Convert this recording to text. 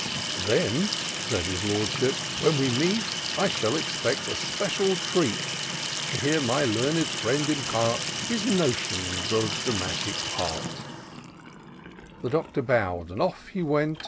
" Then," said his Lordship, " when we meet, I shall expect a special treat. I IN SEARCH OF THE PICTURESaUE. 293 To hear my learned friend impart His notions of dramatic art." The Doctor bow'd, and off he went.